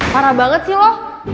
parah banget sih lo